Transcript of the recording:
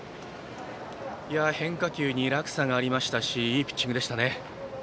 変化球に落差がありましたしいいピッチングでしたね。